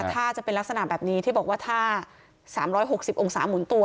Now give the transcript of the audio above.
ถ้าจะเป็นลักษณะแบบนี้ที่บอกว่าถ้า๓๖๐องศาหมุนตัว